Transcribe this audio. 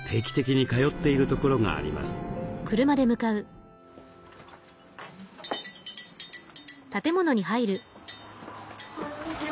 こんにちは。